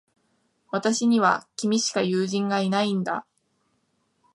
私には、君しか友人がいないんだ。